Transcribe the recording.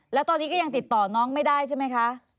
แล้วตอนนี้ก็ยังติดต่อน้องไม่ได้ใช่ไหมคะ